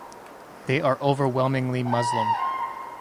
They are overwhelmingly Muslim.